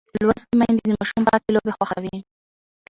لوستې میندې د ماشوم پاکې لوبې خوښوي.